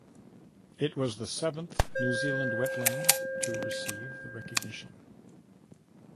It was the seventh New Zealand wetland to receive the recognition.